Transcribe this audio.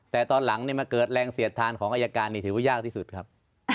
แต่ตอนหลังมาเกิดแรงเสียดทานของอายการนี่ถือว่ายากที่สุดครับ